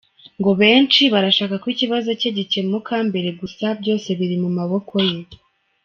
Ngo benshi barashaka ko ikibazo cye gikemuka mbere gusa “byose biri mu maboko ye”.